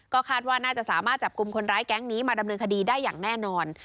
คาดว่าน่าจะสามารถจับกลุ่มคนร้ายแก๊งนี้มาดำเนินคดีได้อย่างแน่นอน